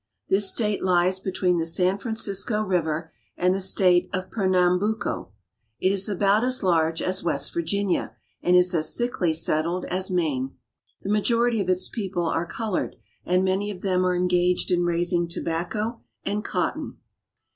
This state lies between the San Francisco river and the state of Pernambuco. It is about as large as West Vir ginia, and is as thickly settled as Maine. The majority of its people are colored, and many of them are engaged in raising tobacco and cotton.